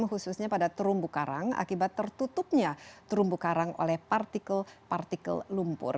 khususnya pada terumbu karang akibat tertutupnya terumbu karang oleh partikel partikel lumpur